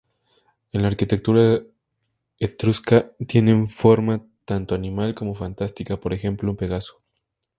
En la arquitectura etrusca tienen forma tanto animal como fantástica, por ejemplo un pegaso.